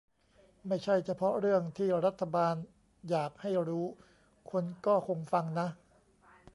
ไม่ใช่เฉพาะเรื่องที่รัฐบาลอยากให้รู้ คนก็คงฟังนะ